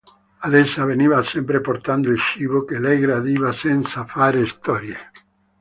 Ad essa veniva sempre portato il cibo, che lei gradiva senza fare storie.